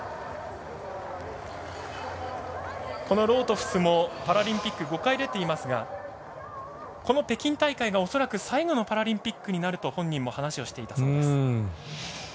ロートフスもパラリンピックに５回出ていますが北京大会が恐らく最後のパラリンピックになると本人も話していたそうです。